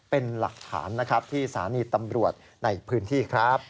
เป็นหลักฐานนะครับที่สถานีตำรวจในพื้นที่ครับ